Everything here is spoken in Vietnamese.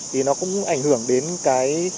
thì nó cũng ảnh hưởng đến cái